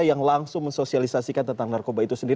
yang langsung mensosialisasikan tentang narkoba itu sendiri